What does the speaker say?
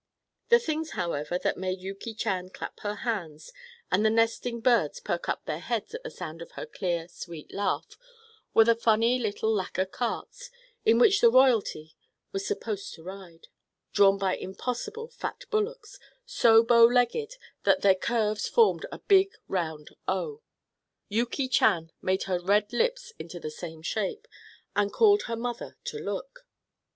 The things, however, that made Yuki Chan clap her hands and the nesting birds perk up their heads at the sound of her clear, sweet laugh were the funny little lacquer carts in which the royalty was supposed to ride, drawn by impossible fat bullocks, so bow legged that their curves formed a big round O. Yuki Chan made her red lips into the same shape, and called her mother to look.